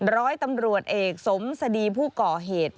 ร้อยตำรวจเอกสมสดีผู้ก่อเหตุ